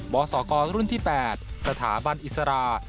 บศกรุ่นที่๘สถาบันอิสระ